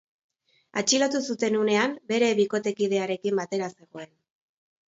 Atxilotu zuten unean bere bikotekidearekin batera zegoen.